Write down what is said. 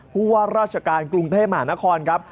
ผู้ว่าราชการกรุงเทพมหานครครับ